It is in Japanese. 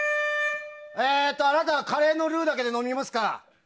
あなたはカレーのルーだけで飲みますか？